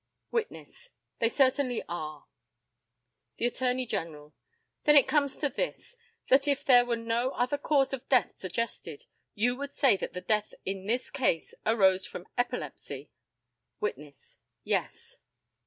Witness: They certainly are. The ATTORNEY GENERAL: Then it comes to this that if there were no other cause of death suggested, you would say that the death in this case arose from epilepsy? Witness: Yes.